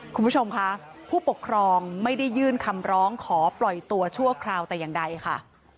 คุณผู้ชมค่ะผู้ปกครองไม่ได้ยื่นคำร้องขอปล่อยตัวชั่วคราวแต่อย่างใดค่ะ